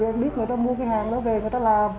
bởi vì em biết người ta mua cái hàng đó về người ta làm